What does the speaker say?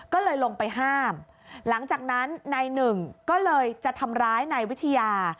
ก็เลยลงไปห้ามหลังจากนั้นนายหนึ่งก็เลยจะทำร้ายนายวิทยา